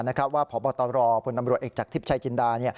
เพราะว่าพปรพอเอกจากทิพย์ชัยจินดา